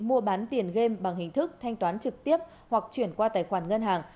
mua bán tiền game bằng hình thức thanh toán trực tiếp hoặc chuyển qua tài khoản ngân hàng